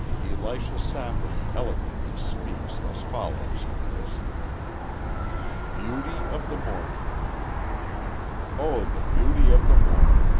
Elisha Safford eloquently speaks as follows of this: BEAUTY OF THE MORNING Oh, the beauty of the morning!